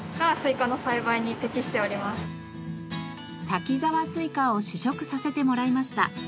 滝沢スイカを試食させてもらいました。